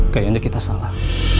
kayaknya kita salah